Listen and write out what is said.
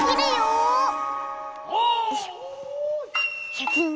シャキーン！